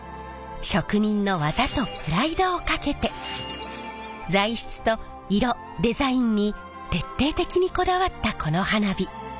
職人の技とプライドをかけて材質と色デザインに徹底的にこだわったこの花火。